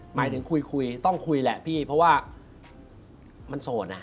หมายถึงคุยคุยต้องคุยแหละพี่เพราะว่ามันโสดอ่ะ